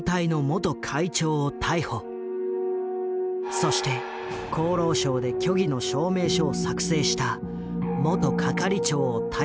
そして厚労省で虚偽の証明書を作成した元係長を逮捕。